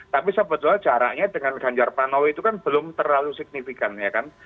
jadi sebetulnya jaraknya dengan ganjar pano itu kan belum terlalu signifikan ya kan